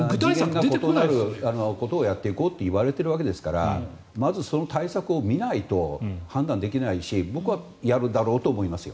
次元が異なることをやっていこうと言われているわけですからまずその対策を見ないと判断できないし僕はやるだろうと思いますよ。